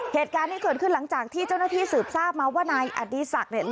เหตุการณ์ที่เกิดขึ้นหลังจากที่เจ้าหน้าที่สืบทราบมาว่านายอดีศักดิ์เนี่ย